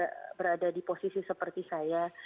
teman teman juga berada di posisi seperti saya